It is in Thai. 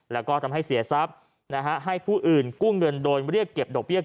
แล้วก็ทำให้เสียทรัพย์ให้ผู้อื่นกู้เงินโดยเรียกเก็บดอกเบี้ย